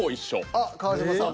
あっ川島さんも。